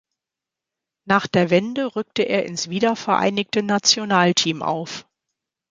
Nach der Wende rückte er ins wiedervereinigte Nationalteam auf.